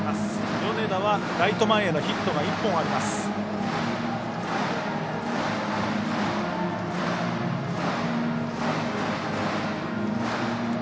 米田はライト前へのヒットが１本あります。